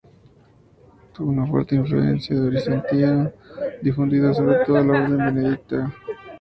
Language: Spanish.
Tuvo una fuerte influencia bizantina, difundida sobre todo por la orden benedictina.